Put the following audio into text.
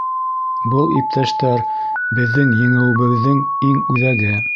Был, иптәштәр, беҙҙең еңеүебеҙҙең иң үҙәге.